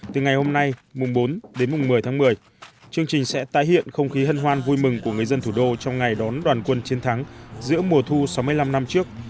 từ ngày hôm nay mùng bốn đến mùng một mươi tháng một mươi chương trình sẽ tái hiện không khí hân hoan vui mừng của người dân thủ đô trong ngày đón đoàn quân chiến thắng giữa mùa thu sáu mươi năm năm trước